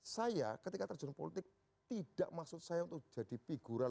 saya ketika terjun politik tidak maksud saya untuk jadi figuran